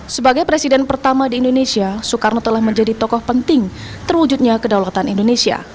sebagai presiden pertama di indonesia soekarno telah menjadi tokoh penting terwujudnya kedaulatan indonesia